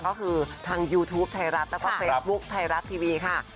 ก็คือทางยูทูปไทยรัฐแล้วก็เฟซบุ๊คไทยรัฐทีวีค่ะ